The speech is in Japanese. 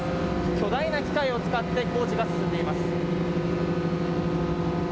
巨大な機械を使って工事が進んでいます。